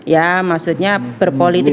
ya maksudnya berpolitik